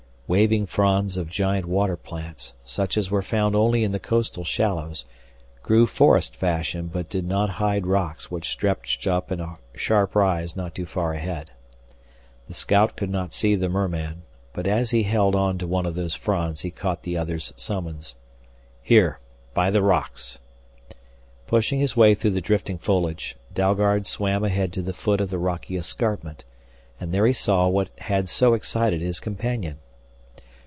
Waving fronds of giant water plants, such as were found only in the coastal shallows, grew forest fashion but did not hide rocks which stretched up in a sharp rise not too far ahead. The scout could not see the merman, but as he held onto one of those fronds he caught the other's summons: "Here by the rocks !" Pushing his way through the drifting foliage, Dalgard swam ahead to the foot of the rocky escarpment. And there he saw what had so excited his companion.